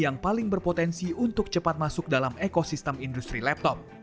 yang paling berpotensi untuk cepat masuk dalam ekosistem industri laptop